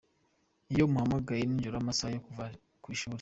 Iyo muhamagaye nijoro amasaha yo kuva ku ishuli.